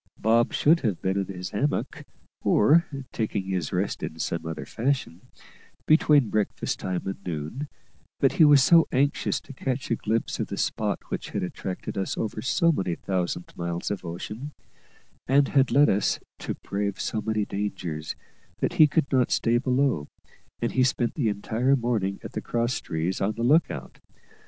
Bob should have been in his hammock, or taking his rest in some other fashion, between breakfast time and noon; but he was so anxious to catch a glimpse of the spot which had attracted us over so many thousand miles of ocean, and had led us to brave so many dangers, that he could not stay below, and he spent the entire morning at the cross trees on the look out.